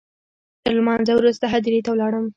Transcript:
تر لمانځه وروسته هدیرې ته ولاړم.